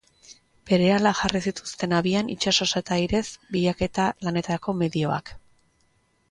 Berehala jarri zituzten abian itsasoz eta airez bilaketa lanetarako medioak.